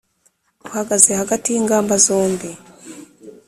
Uhagaze hagati y'ingamba zombi,